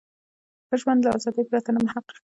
ښه ژوند له ازادۍ پرته نه محقق کیږي.